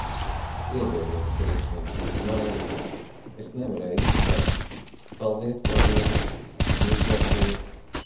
-Piedodiet, priekšniek, vainīgs. Es nevarēju izšaut. -Paldies, paldies. Jūs varat iet.